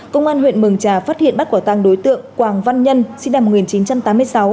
công an huyện mường trà phát hiện bắt quả tăng đối tượng quảng văn nhân sinh năm một nghìn chín trăm tám mươi sáu